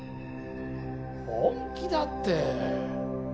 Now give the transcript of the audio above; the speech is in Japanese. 本気だって。なあ？